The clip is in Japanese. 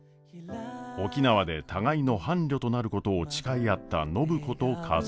沖縄で互いの伴侶となることを誓い合った暢子と和彦。